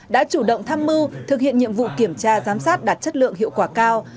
đã chủ động tham mưu thực hiện nhiệm vụ kiểm tra giám sát đạt chất lượng hiệu quả cao